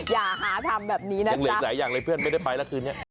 อย่าหาทำแบบนี้นะคะยังเหลือหลายอย่างเลยเพื่อนไม่ได้ไปแล้วคืนนี้